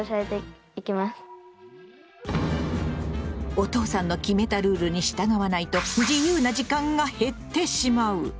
お父さんの決めたルールに従わないと自由な時間が減ってしまう！